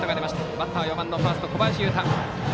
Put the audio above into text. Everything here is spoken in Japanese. バッターは４番ファーストの小林優太。